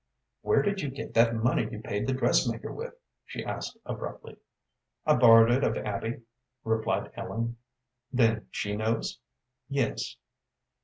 "Where did you get that money you paid the dressmaker with?" she asked, abruptly. "I borrowed it of Abby," replied Ellen. "Then she knows?" "Yes."